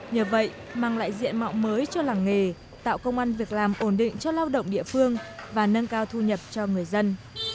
nhờ vậy mang lại diện mạo mới cho làng nghề tạo công an việc làm ổn định cho lao động địa phương và nâng cao thu nhập cho người dân